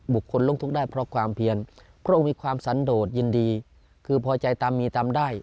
คนลุกทุกข์ได้เพราะความเพียรพระองค์มีความสันโดดยินดีคือพอใจตามมีตามได้